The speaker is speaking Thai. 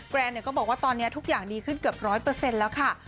รนก็บอกว่าตอนนี้ทุกอย่างดีขึ้นเกือบ๑๐๐แล้วค่ะ